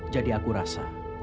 jadi aku rasa